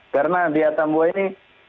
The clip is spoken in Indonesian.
karena di atambua ini